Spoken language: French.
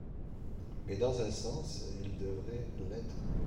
Mais dans un sens, ils devraient l'être.